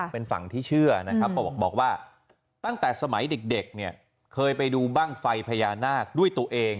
เป็นฝั่งที่เชื่อนะครับบอกว่าตั้งแต่สมัยเด็กเนี่ยเคยไปดูบ้างไฟพญานาคด้วยตัวเอง